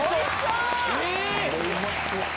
うまそう！